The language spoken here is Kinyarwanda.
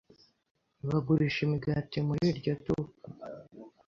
Bagurisha imigati muri iryo duka?